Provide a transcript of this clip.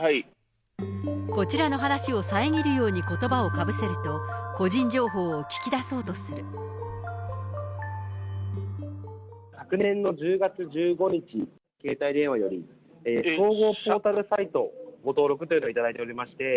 こちらの話をさえぎるように話をかぶせると、個人情報を聞き昨年の１０月１５日、携帯電話より総合ポータルサイトのご登録いただいておりまして。